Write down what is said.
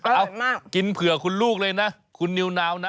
ไซส์ลำไย